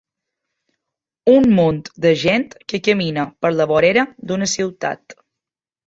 Un munt de gent que camina per la vorera d'una ciutat.